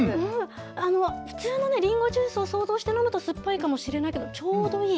普通のりんごジュースを想像して飲むと酸っぱいかもしれないけど、ちょうどいい。